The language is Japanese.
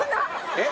えっ？